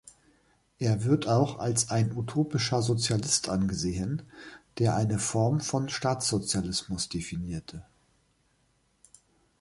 Er wird auch als ein utopischer Sozialist angesehen, der eine Form von Staatssozialismus definierte.